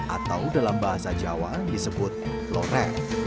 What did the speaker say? atau dalam bahasa jawa disebut loreng